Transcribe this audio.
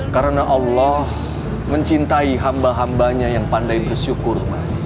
karena allah mencintai hamba hambanya yang pandai bersyukur